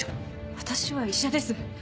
私は医者です。